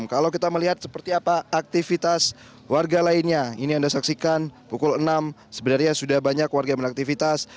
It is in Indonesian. kalau kita melihat seperti apa aktivitas warga lainnya ini anda saksikan pukul enam sebenarnya sudah banyak warga yang beraktivitas